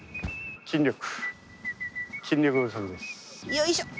よいしょっ！